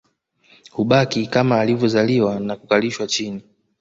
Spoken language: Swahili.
Hubaki kama alivyozaliwa na kukalishwa chini